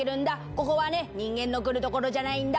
ここはね、人間の来るところじゃないんだ。